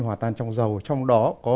hòa tan trong dầu trong đó có